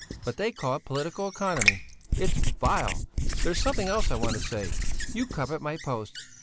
But they call it political economy! It's vile! There's something else I want to say: You covet my post.